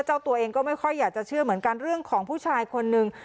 เจ้าตัวเองก็ไม่ค่อยอยากจะเชื่อเหมือนกันเรื่องของผู้ชายคนนึง